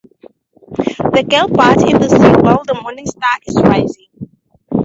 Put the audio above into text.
The girl bathes in the sea while the morning star is rising.